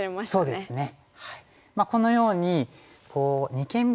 そうですね。